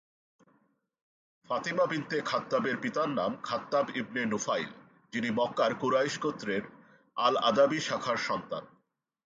Fatima bint খাত্তাবের পিতার নাম খাত্তাব ইবনে নুফাইল, যিনি মক্কার কুরাইশ গোত্রের "আল-আদাবী" শাখার সন্তান।